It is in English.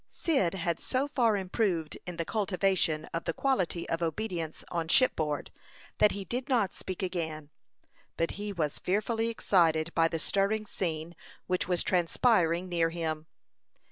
Cyd had so far improved in the cultivation of the quality of obedience on shipboard, that he did not speak again, but he was fearfully excited by the stirring scene which was transpiring near him.